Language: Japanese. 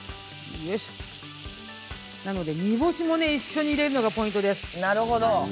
煮干しも一緒に入れるのがポイントです。